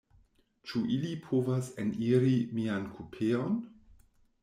Ĉu ili povas eniri mian kupeon?